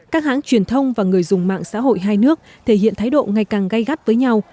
các hãng truyền thông và người dùng mạng xã hội hai nước thể hiện thái độ ngày càng gây gắt với nhau